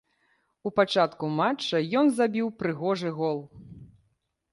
У пачатку матча ён забіў прыгожы гол.